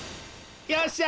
よっしゃ！